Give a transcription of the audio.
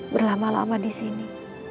berlama lama di sini